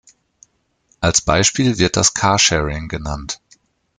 Als Beispiel wird das Carsharing genannt.